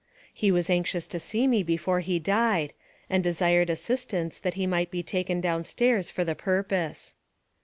He was anxious to see me before he died, and desired assistance that he might be taken down stairs for the purpose.